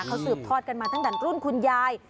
เขาสืบทอดกันมาตั้งแต่รุ่นคุณยาย